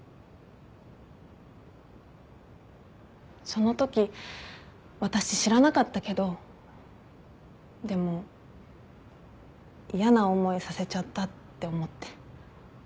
そのとき私知らなかったけどでも嫌な思いさせちゃったって思って。